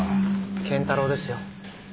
賢太郎ですよ。